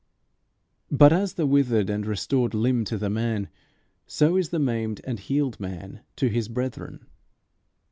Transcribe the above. But as the withered and restored limb to the man, so is the maimed and healed man to his brethren.